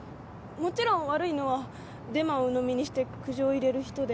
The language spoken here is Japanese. もちろん悪いのはデマをうのみにして苦情を入れる人で。